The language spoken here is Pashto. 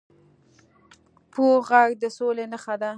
پوخ غږ د سولي نښه ده